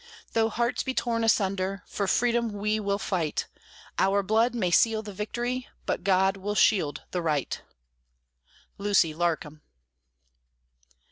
Though hearts be torn asunder, for Freedom we will fight: Our blood may seal the victory, but God will shield the Right! LUCY LARCOM.